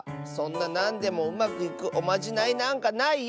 そんななんでもうまくいくおまじないなんかないよ。